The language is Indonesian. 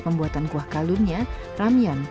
membuat kuah kalunnya ramyeon